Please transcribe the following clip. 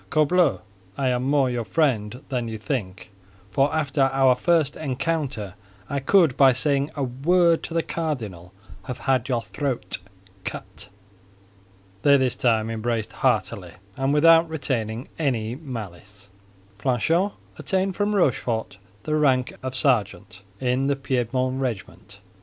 "Corbleu! I am more your friend than you think—for after our very first encounter, I could by saying a word to the cardinal have had your throat cut!" They this time embraced heartily, and without retaining any malice. Planchet obtained from Rochefort the rank of sergeant in the Piedmont regiment. M.